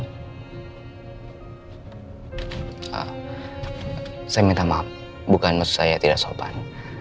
saya minta maaf bukan maksud saya tidak sopan